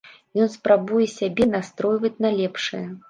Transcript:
Ён спрабуе сябе настройваць на лепшае.